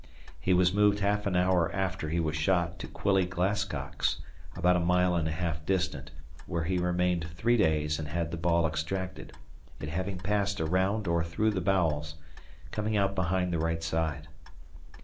He was moved half an hour after he was shot to Quilly Glasscock's, about a mile and a half distant, where he remained three days and had the ball extracted, it having passed around or through the bowels, coming out behind the right side.